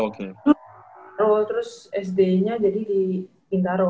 terus sdnya jadi di bintaro